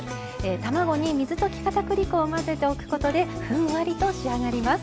卵に水溶きかたくり粉を混ぜておくことでふんわりと仕上がります。